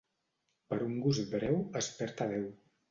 Per un gust breu es perd a Déu.